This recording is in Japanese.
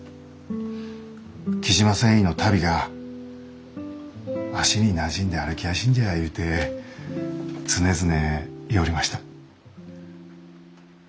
雉真繊維の足袋が足になじんで歩きやしんじゃいうて常々言ようりました。